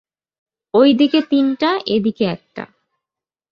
ঐদিকে তিনটা, এদিকে একটা।